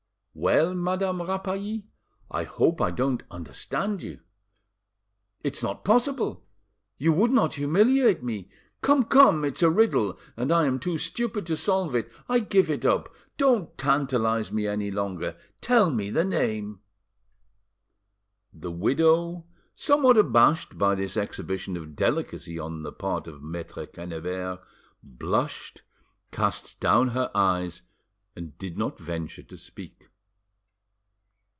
"Well, Madame Rapally—I hope I don't understand you; it's not possible; you would not humiliate me. Come, come, it's a riddle, and I am too stupid to solve it. I give it up. Don't tantalise me any longer; tell me the name." The widow, somewhat abashed by this exhibition of delicacy on the part of Maitre Quennebert, blushed, cast down her eyes, and did not venture to speak.